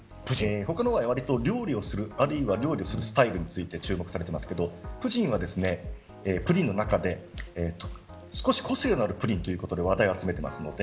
他のは、わりと料理をするスタイルについて注目されていますがプヂンは、プリンの中で少し個性のあるプリンということで話題を集めています。